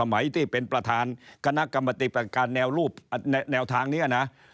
ที่เป็นประธานคณะกรรมติประการแนวรูปแนวทางนี้นะ